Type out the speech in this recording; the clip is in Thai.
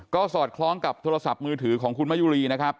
ก็สอดคล้องกับโทรศัพท์มือถือของคุณมะยุรีนะครับ